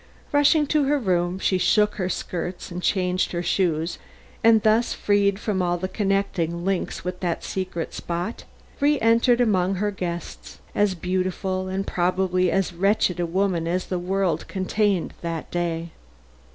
Rushing to her room she shook her skirts and changed her shoes, and thus freed from all connecting links with that secret spot, reëntered among her guests, as beautiful and probably as wretched a woman as the world contained that day.